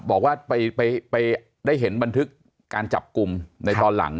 บอกว่าไปได้เห็นบันทึกการจับกลุ่มในตอนหลัง